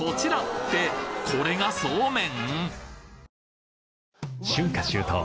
ってこれがそうめん！？